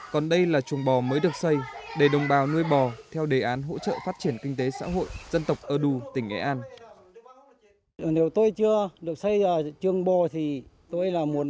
còn đây là chuồng bò mới được xây để đồng bào nuôi bò theo đề án hỗ trợ phát triển kinh tế xã hội dân tộc ơ đu tỉnh nghệ an